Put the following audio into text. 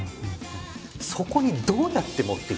そこにどうやって持っていってます？